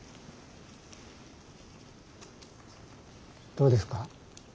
どうですか？